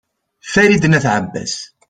farid n at abbas